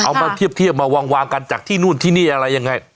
เอามาเทียบมาวางกันจากที่นู่นที่นี่อะไรยังไง